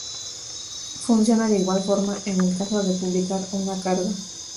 Funciona de igual forma, en el caso de publicar una carga.